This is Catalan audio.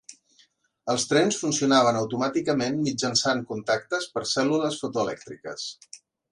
Els trens funcionaven automàticament mitjançant contactes per cèl·lules fotoelèctriques.